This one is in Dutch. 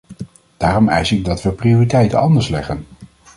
Daarom eis ik dat we prioriteiten anders leggen.